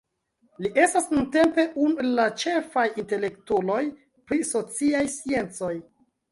Li estas nuntempe unu el la ĉefaj intelektuloj pri sociaj sciencoj.